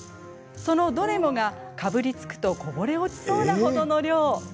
そのどれもがかぶりつくとこぼれ落ちそうなほどの量。